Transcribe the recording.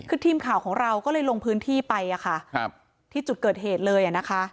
คือทีมข่าวของเราก็เลยลงพื้นที่ไปอะค่ะครับที่จุดเกิดเหตุเลยนะคะ